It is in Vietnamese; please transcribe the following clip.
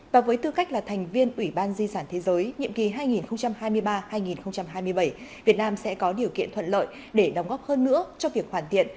và với tư cách là thành viên ủy ban di sản thế giới nhiệm kỳ hai nghìn hai mươi ba hai nghìn hai mươi bảy việt nam sẽ có điều kiện thuận lợi để đóng góp hơn nữa cho việc hoàn thiện